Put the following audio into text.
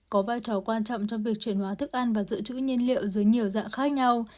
có vai trò quan trọng trong việc chuyển hóa thức ăn và giữ chữ nhiên liệu dưới nhiều dạng khác nhau